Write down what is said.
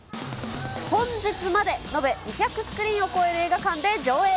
本日まで延べ２００スクリーンを超える映画館で上映。